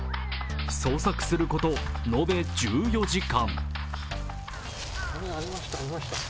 捜索すること、延べ１４時間。